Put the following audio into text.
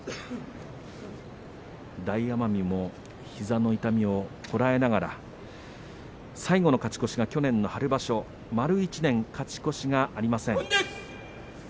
大奄美、膝の痛みをこらえながら最後の勝ち越しが去年の春場所丸１年勝ち越しがありません。